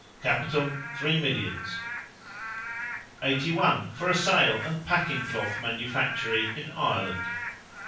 Capital, three millions. 81. For a sail and packing cloth manufactory in Ireland.